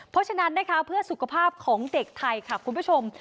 เพราะฉะนั้นนะคะเพื่อสุขภาพของเด็กไทยค่ะคุณผู้ชม